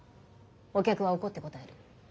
お客は怒って答える。